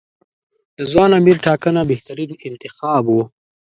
د ځوان امیر ټاکنه بهترین انتخاب و.